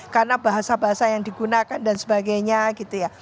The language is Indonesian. karena bahasa bahasa yang digunakan dan sebagainya gitu ya